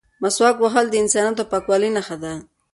مسواک وهل د انسانیت او پاکوالي نښه ده.